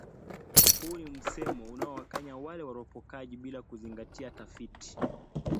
Huu ni msemo unaowakanya wale waropokaji bila kuzingatia tafiti